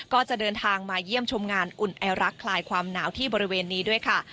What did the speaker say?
ก็จะเดินทางมาเยี่ยมชมงานอุ่นไอรักคลายความหนาวที่บริเวณนี้ด้วยค่ะ